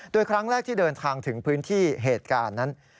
โดยครั้งแรกที่เดินทางถึงพื้นที่เหตุการณ์นั้น